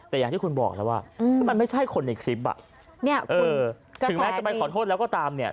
แต่อย่างที่คุณบอกแล้วว่ามันไม่ใช่คนในคลิปอ่ะเนี่ยถึงแม้จะไปขอโทษแล้วก็ตามเนี่ย